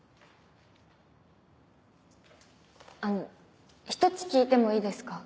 あの一つ聞いてもいいですか？